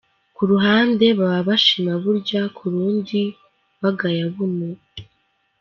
Ku ruhande baba bashima Burya, ku rundi bagaya Buno.